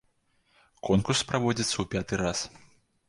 Конкурс праводзіцца ў пяты раз.